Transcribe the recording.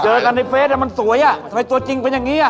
เจอกันในเฟซมันสวยอ่ะทำไมตัวจริงเป็นอย่างนี้อ่ะ